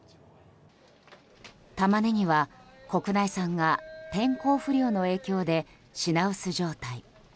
タマネギは国内産が天候不良の影響で品薄状態。